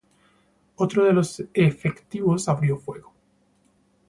Otro de los efectivos abrió fuego.